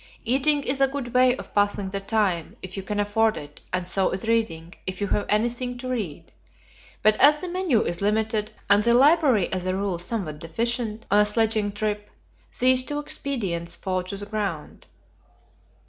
Eating is a good way of passing the time, if you can afford it, and so is reading, if you have anything to read; but as the menu is limited, and the library as a rule somewhat deficient on a sledging trip, these two expedients fall to the ground.